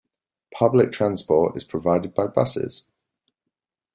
Public transport is provided by buses.